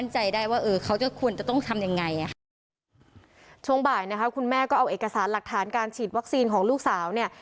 ช่วงบ่ายนะคะคุณแม่ก็เอาเอกสารหลักฐานการฉีดวัคซีนของลูกสาวเนี่ย